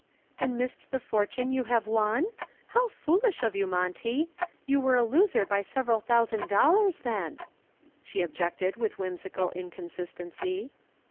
"And missed the fortune you have won? How foolish of you, Monty! You were a loser by several thousand dollars then," she objected with whimsical inconsistency.